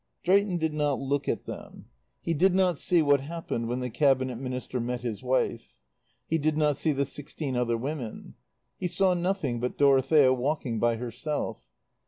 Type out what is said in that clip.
Drayton did not look at them. He did not see what happened when the Cabinet Minister met his wife. He did not see the sixteen other women. He saw nothing but Dorothea walking by herself.